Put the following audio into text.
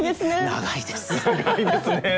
長いですね。